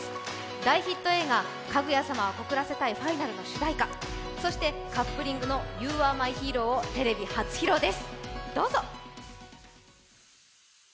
大ヒット映画「かぐや様は告らせたいファイナル」の主題歌、そしてカップリングの「Ｙｏｕａｒｅｍｙｈｅｒｏ」をテレビ初披露です。